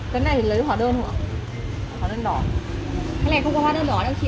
cái này không có hóa đơn đỏ đâu chị ơi